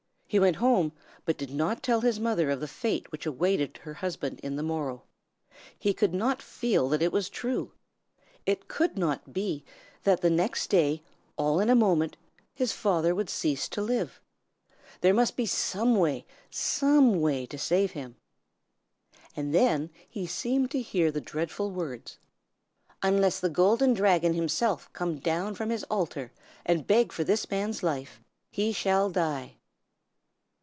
He went home, but did not tell his mother of the fate which awaited her husband on the morrow. He could not feel that it was true. It could not be that the next day, all in a moment, his father would cease to live. There must be some way, some way to save him. And then he seemed to hear the dreadful words, "Unless the Golden Dragon himself come down from his altar and beg for this man's life, he shall die."